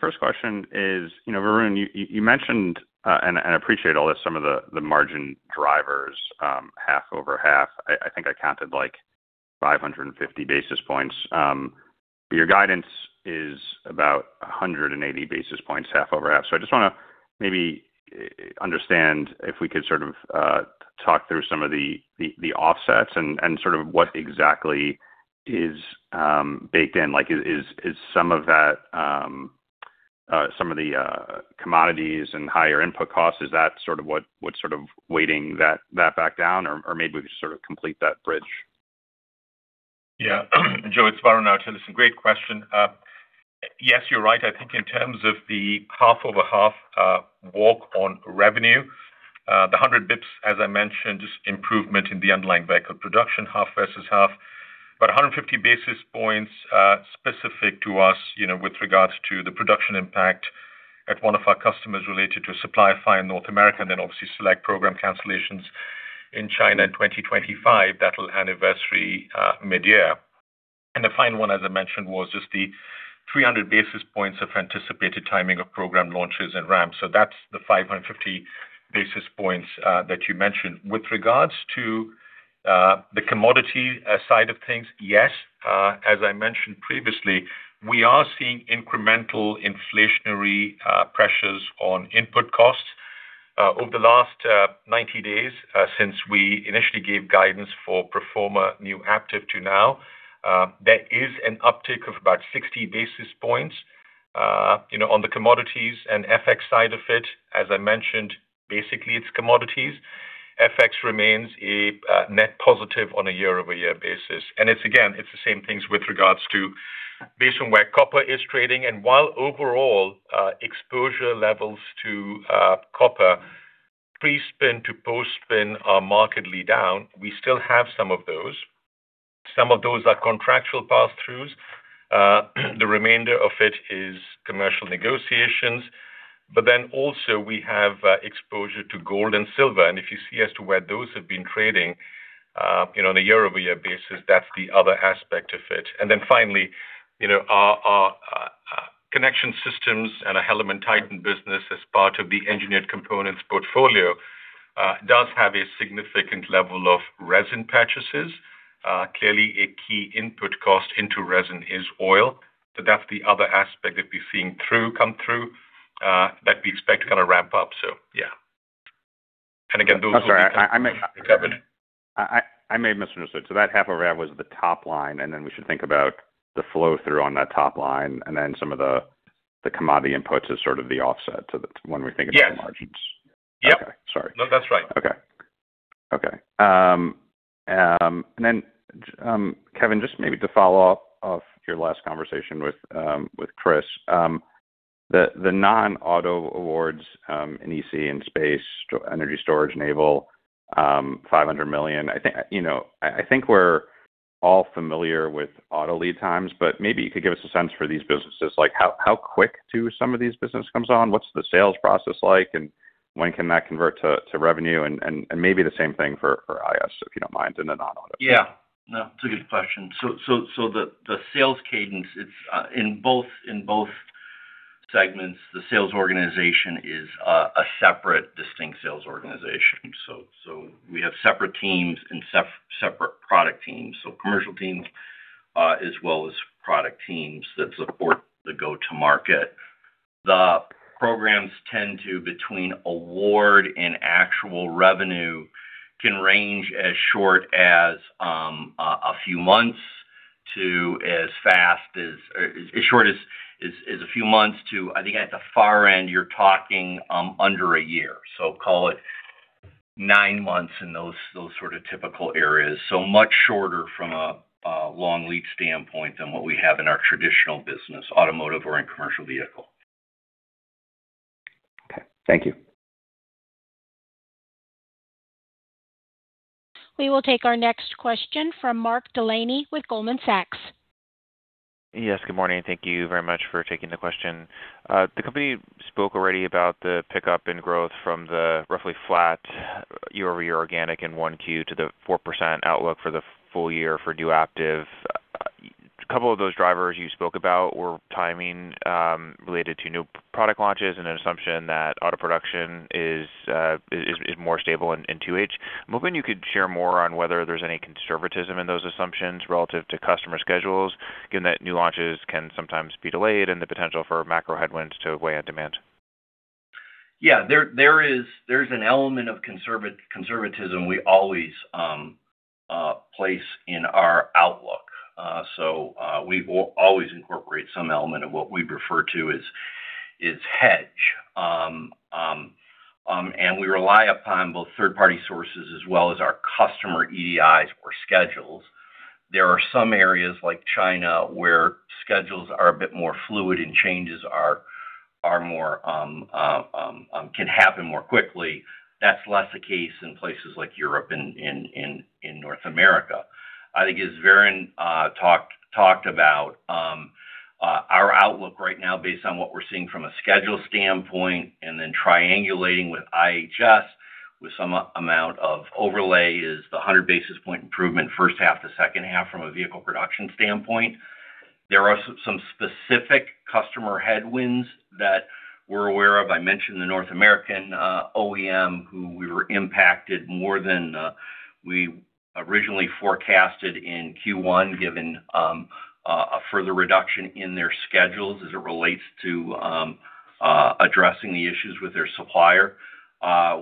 first question is, you know, Varun, you mentioned, and appreciate all this, some of the margin drivers, half over half. I think I counted like 550 basis points. Your guidance is about 180 basis points half over half. I just wanna maybe understand if we could sort of talk through some of the offsets and sort of what exactly is baked in. Like, is some of that, some of the commodities and higher input costs, is that sort of what's sort of weighting that back down? Maybe we could sort of complete that bridge.
Yeah. Joe, it's Varun Laroyia. Listen, great question. Yes, you're right. I think in terms of the half over half walk on revenue, the 100 basis points, as I mentioned, is improvement in the underlying vehicle production, half versus half. A 150 basis points specific to us, you know, with regards to the production impact at one of our customers related to supply fire in North America, and then obviously select program cancellations in China in 2025, that will anniversary mid-year. The final one, as I mentioned, was just the 300 basis points of anticipated timing of program launches and ramps. That's the 550 basis points that you mentioned. With regards to the commodity side of things, yes, as I mentioned previously, we are seeing incremental inflationary pressures on input costs. Over the last 90 days, since we initially gave guidance for pro forma new Aptiv to now, there is an uptick of about 60 basis points, you know, on the commodities and FX side of it. As I mentioned, basically it's commodities. FX remains a net positive on a year-over-year basis. It's again, it's the same things with regards to based on where copper is trading. While overall exposure levels to copper pre-spin to post-spin are markedly down, we still have some of those. Some of those are contractual passthroughs. The remainder of it is commercial negotiations. Also, we have exposure to gold and silver. If you see as to where those have been trading, you know, on a year-over-year basis, that's the other aspect of it. Finally, you know, our connection systems and our HellermannTyton business as part of the Engineered Components portfolio does have a significant level of resin purchases. Clearly a key input cost into resin is oil. That's the other aspect that we're seeing come through that we expect to kind of ramp up. Yeah. Again, those will be-
That's all right.
-evident.
I may have misunderstood. That half of rev was the top line, we should think about the flow through on that top line and then some of the commodity inputs as sort of the offset to the when we're thinking about.
Yes
-the margins.
Yep.
Okay. Sorry.
No, that's right.
Okay. Okay. Kevin, just maybe to follow up off your last conversation with Chris. The non-auto awards in EC and space, energy storage, naval, $500 million. You know, I think we're all familiar with auto lead times, but maybe you could give us a sense for these businesses, like how quick do some of these business comes on? What's the sales process like? When can that convert to revenue? Maybe the same thing for IS, if you don't mind, in the non-auto.
Yeah. No, it's a good question. The sales cadence, it's in both segments the sales organization is a separate distinct sales organization. We have separate teams and separate product teams. Commercial teams, as well as product teams that support the go-to-market. The programs tend to between award and actual revenue can range as short as a few months to, I think at the far end, you're talking under a year. Call it nine months in those sort of typical areas. Much shorter from a long lead standpoint than what we have in our traditional business, automotive or in commercial vehicle.
Okay. Thank you.
We will take our next question from Mark Delaney with Goldman Sachs.
Yes, good morning. Thank you very much for taking the question. The company spoke already about the pickup in growth from the roughly flat year-over-year organic in Q1 to the 4% outlook for the full year for new Aptiv. Couple of those drivers you spoke about were timing related to new product launches and an assumption that auto production is more stable in 2H. I'm hoping you could share more on whether there's any conservatism in those assumptions relative to customer schedules, given that new launches can sometimes be delayed and the potential for macro headwinds to weigh on demand.
Yeah. There's an element of conservatism we always place in our outlook. We always incorporate some element of what we refer to as hedge. We rely upon both third-party sources as well as our customer EDIs or schedules. There are some areas like China, where schedules are a bit more fluid and changes are more can happen more quickly. That's less the case in places like Europe and North America. I think as Varun talked about, our outlook right now based on what we're seeing from a schedule standpoint and then triangulating with IHS with some amount of overlay is the 100 basis point improvement first half to second half from a vehicle production standpoint. There are some specific customer headwinds that we're aware of. I mentioned the North American OEM who we were impacted more than we originally forecasted in Q1, given a further reduction in their schedules as it relates to addressing the issues with their supplier.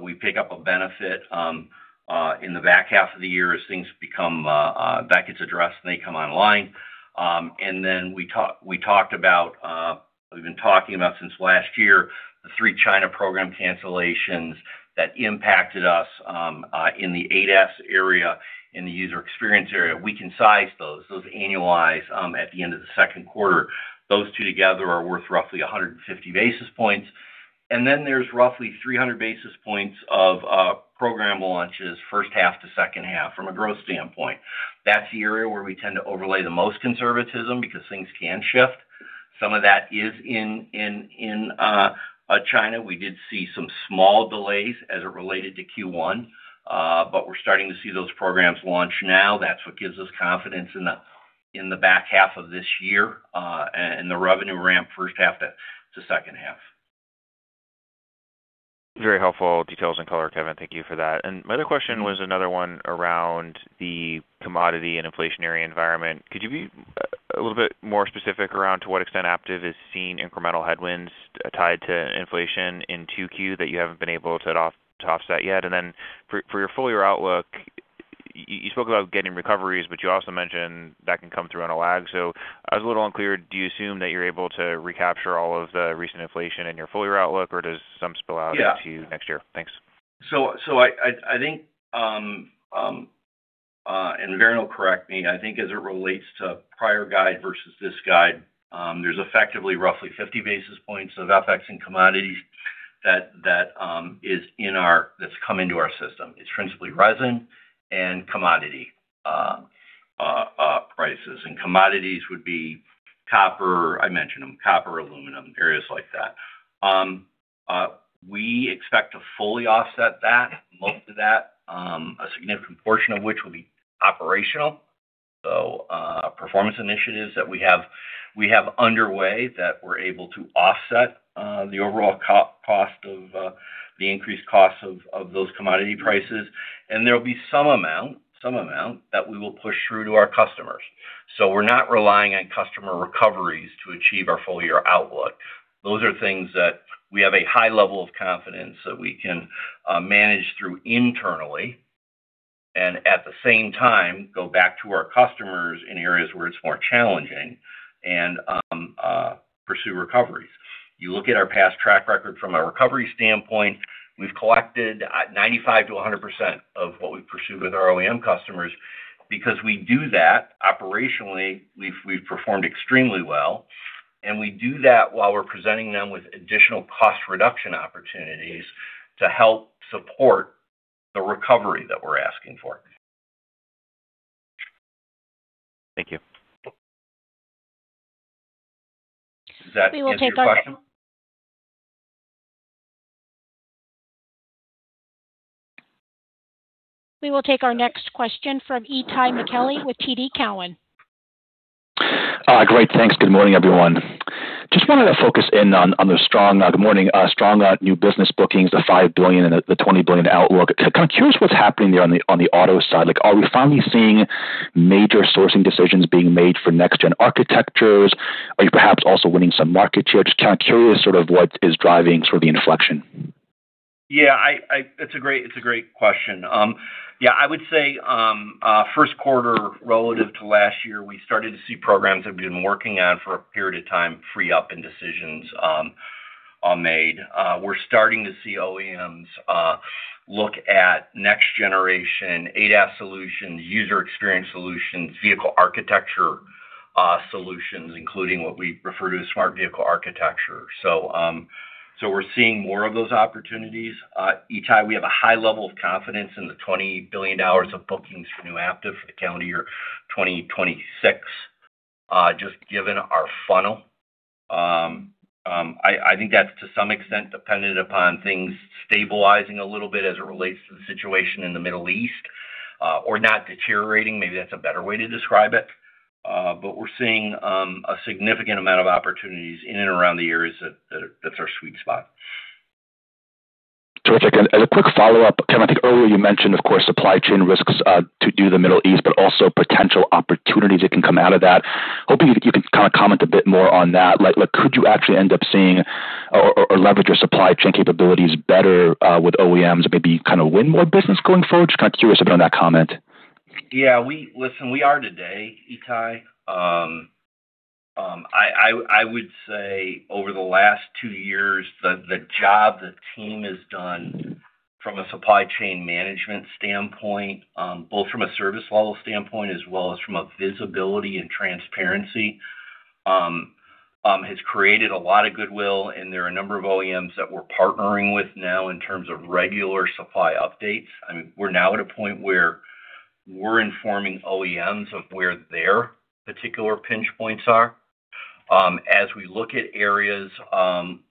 We pick up a benefit in the back half of the year as things become that gets addressed and they come online. Then we talked about, we've been talking about since last year, the three China program cancellations that impacted us in the ADAS area, in the user experience area. We can size those. Those annualize at the end of the second quarter. Those two together are worth roughly 150 basis points. Then there's roughly 300 basis points of program launches first half to second half from a growth standpoint. That's the area where we tend to overlay the most conservatism because things can shift. Some of that is in China. We did see some small delays as it related to Q1, but we're starting to see those programs launch now. That's what gives us confidence in the back half of this year, and the revenue ramp first half to second half.
Very helpful details and color, Kevin. Thank you for that. My other question was another one around the commodity and inflationary environment. Could you be a little bit more specific around to what extent Aptiv is seeing incremental headwinds tied to inflation in Q2 that you haven't been able to offset yet? For your full year outlook, you spoke about getting recoveries, but you also mentioned that can come through on a lag. I was a little unclear, do you assume that you're able to recapture all of the recent inflation in your full year outlook, or does some spill out into next year? Thanks.
I think, and Varun will correct me. I think as it relates to prior guide versus this guide, there's effectively roughly 50 basis points of FX and commodities that's come into our system. It's principally resin and commodity prices. Commodities would be copper. I mentioned them, copper, aluminum, areas like that. We expect to fully offset that, most of that, a significant portion of which will be operational. Performance initiatives that we have underway that we're able to offset the overall cost of the increased cost of those commodity prices. There will be some amount that we will push through to our customers. We're not relying on customer recoveries to achieve our full-year outlook. Those are things that we have a high level of confidence that we can manage through internally and at the same time go back to our customers in areas where it's more challenging and pursue recoveries. You look at our past track record from a recovery standpoint, we've collected 95%-100% of what we pursue with our OEM customers because we do that operationally. We've performed extremely well, and we do that while we're presenting them with additional cost reduction opportunities to help support the recovery that we're asking for.
Thank you.
Does that answer your question?
We will take our next question from Itay Michaeli with TD Cowen.
Great. Thanks. Good morning, everyone. Just wanted to focus in on the strong new business bookings, the $5 billion and the $20 billion outlook. Kind of curious what's happening there on the auto side. Like, are we finally seeing major sourcing decisions being made for next gen architectures? Are you perhaps also winning some market share? Just kind of curious sort of what is driving the inflection.
It's a great question. I would say, first quarter relative to last year, we started to see programs we've been working on for a period of time free up and decisions made. We're starting to see OEMs look at next generation ADAS solutions, user experience solutions, vehicle architecture solutions, including what we refer to as Smart Vehicle Architecture. We're seeing more of those opportunities. Itay, we have a high level of confidence in the $20 billion of bookings for new Aptiv for the calendar year 2026, just given our funnel. I think that's to some extent dependent upon things stabilizing a little bit as it relates to the situation in the Middle East or not deteriorating. Maybe that's a better way to describe it. We're seeing a significant amount of opportunities in and around the areas that's our sweet spot.
Terrific. As a quick follow-up, Kevin, I think earlier you mentioned, of course, supply chain risks, to do the Middle East, but also potential opportunities that can come out of that. Hoping you could kind of comment a bit more on that. Like, could you actually end up seeing or leverage your supply chain capabilities better with OEMs and maybe kind of win more business going forward? Just kind of curious a bit on that comment?
Yeah, listen, we are today, Itay. I would say over the last two years, the job the team has done from a supply chain management standpoint, both from a service level standpoint as well as from a visibility and transparency, has created a lot of goodwill. There are a number of OEMs that we're partnering with now in terms of regular supply updates. I mean, we're now at a point where we're informing OEMs of where their particular pinch points are. As we look at areas,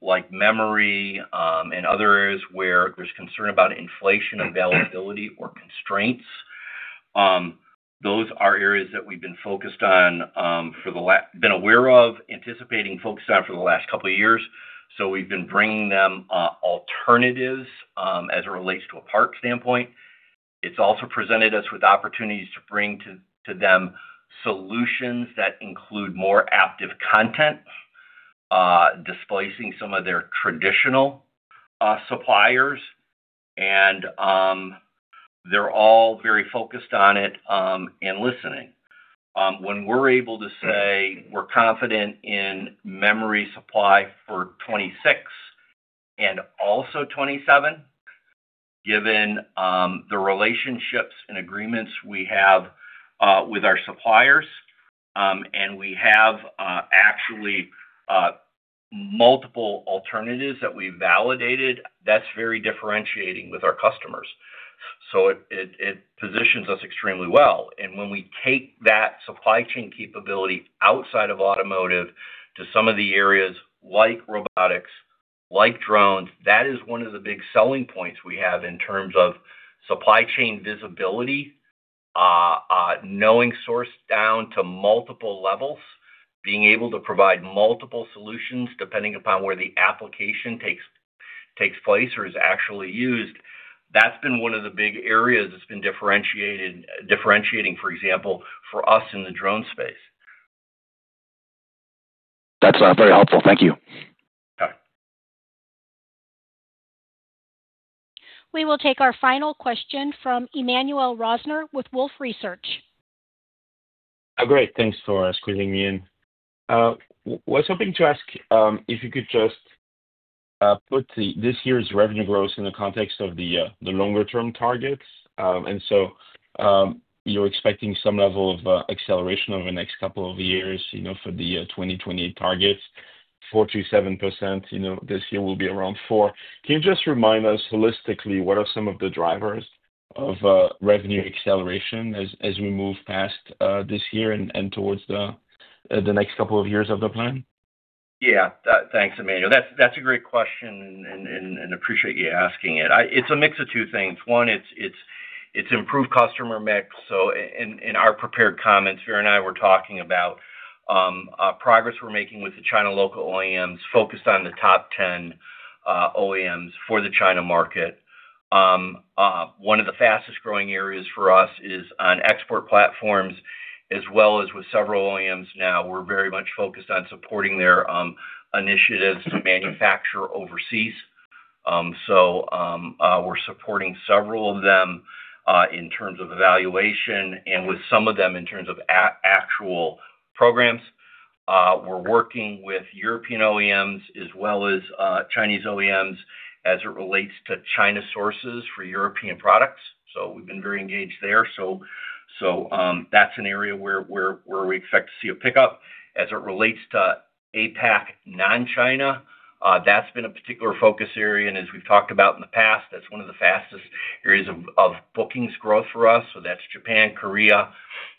like memory, and other areas where there's concern about inflation availability or constraints, those are areas that we've been focused on, been aware of, anticipating, focused on for the last couple of years. We've been bringing them alternatives as it relates to a part standpoint. It's also presented us with opportunities to bring to them solutions that include more Aptiv content, displacing some of their traditional suppliers. They're all very focused on it and listening. When we're able to say we're confident in memory supply for 2026 and also 2027, given the relationships and agreements we have with our suppliers, and we have actually multiple alternatives that we validated, that's very differentiating with our customers. It positions us extremely well. When we take that supply chain capability outside of automotive to some of the areas like robotics, like drones, that is one of the big selling points we have in terms of supply chain visibility, knowing source down to multiple levels, being able to provide multiple solutions depending upon where the application takes place or is actually used. That's been one of the big areas that's been differentiating, for example, for us in the drone space.
That's very helpful. Thank you.
Okay.
We will take our final question from Emmanuel Rosner with Wolfe Research.
Great. Thanks for squeezing me in. Was hoping to ask, if you could just put this year's revenue growth in the context of the longer term targets. You're expecting some level of acceleration over the next couple of years, you know, for the 2020 targets, 4%-7%, you know, this year will be around 4%. Can you just remind us holistically, what are some of the drivers of revenue acceleration as we move past this year and towards the next couple of years of the plan?
Thanks, Emmanuel. That's a great question and appreciate you asking it. It's a mix of two things. In our prepared comments, Varun and I were talking about progress we're making with the China local OEMs focused on the top 10 OEMs for the China market. One of the fastest-growing areas for us is on export platforms, as well as with several OEMs now. We're very much focused on supporting their initiatives to manufacture overseas. So, we're supporting several of them in terms of evaluation and with some of them in terms of actual programs. We're working with European OEMs as well as Chinese OEMs as it relates to China sources for European products. We've been very engaged there. That's an area where we expect to see a pickup. As it relates to APAC non-China, that's been a particular focus area, and as we've talked about in the past, that's one of the fastest areas of bookings growth for us. That's Japan,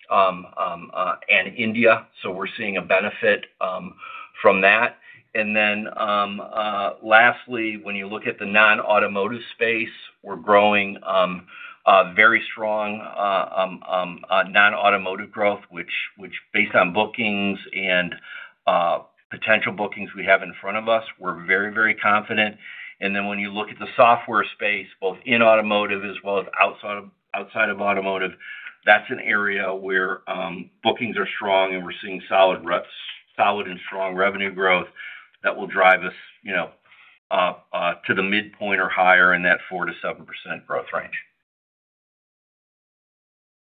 Korea, and India. We're seeing a benefit from that. Lastly, when you look at the non-automotive space, we're growing very strong non-automotive growth, which based on bookings and potential bookings we have in front of us, we're very confident. When you look at the software space, both in automotive as well as outside of automotive, that's an area where bookings are strong and we're seeing solid and strong revenue growth that will drive us, you know, to the midpoint or higher in that 4%-7% growth range.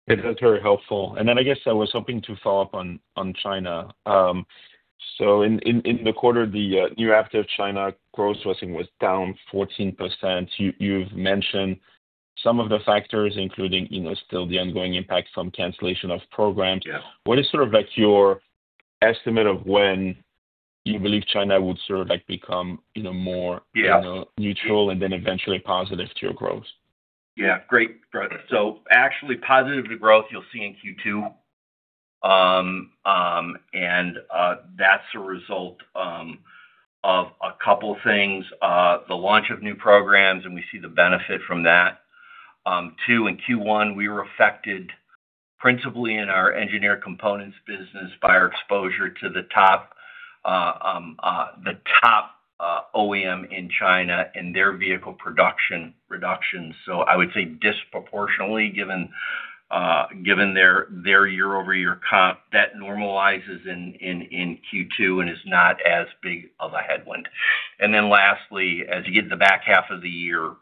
That's very helpful. I guess I was hoping to follow up on China. In the quarter, the year-over-year China growth, I think, was down 14%. You've mentioned some of the factors, including, you know, still the ongoing impact from cancellation of programs.
Yeah.
What is sort of like your estimate of when you believe China would sort of like become, you know, more-
Yeah.
you know, neutral and then eventually positive to your growth?
Yeah, great. Actually positive to growth you'll see in Q2. That's a result of a couple things. The launch of new programs, and we see the benefit from that. Two, in Q1, we were affected principally in our Engineered Components business by our exposure to the top OEM in China and their vehicle production reduction. I would say disproportionately given their year-over-year comp, that normalizes in Q2 and is not as big of a headwind. Lastly, as you get to the back half of the year, we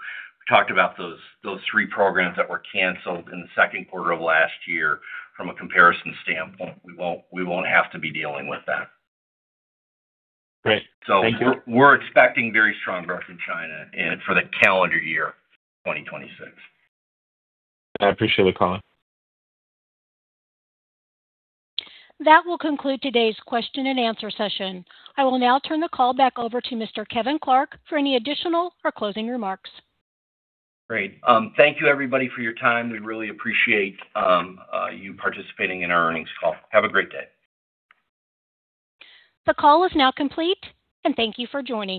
talked about those three programs that were canceled in the second quarter of last year. From a comparison standpoint, we won't have to be dealing with that.
Great. Thank you.
We're expecting very strong growth in China and for the calendar year 2026.
I appreciate the call.
That will conclude today's question and answer session. I will now turn the call back over to Mr. Kevin Clark for any additional or closing remarks.
Great. Thank you everybody for your time. We really appreciate you participating in our earnings call. Have a great day.
The call is now complete, and thank you for joining.